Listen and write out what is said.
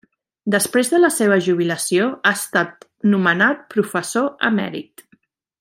Després de la seva jubilació, ha estat nomenat professor emèrit.